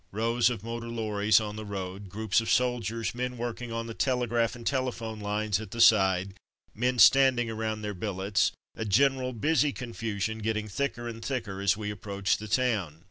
Rows of motor lorries on the road, groups of soldiers, men working on the telegraph and telephone lines at the side, men standing around their billets, a general busy confusion, getting thicker and thicker as we approached the town.